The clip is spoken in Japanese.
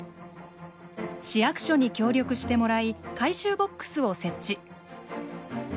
市役所に協力してもらい回収ボックスを設置。